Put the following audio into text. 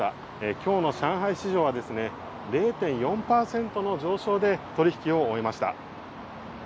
きょうの上海株式市場は０．４％の上昇で取引を終えました。